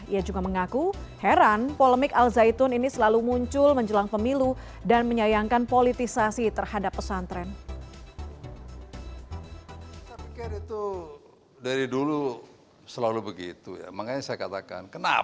ia juga mengaku heran polemik al zaitun ini selalu muncul menjelang pemilu dan menyayangkan politisasi terhadap pesantren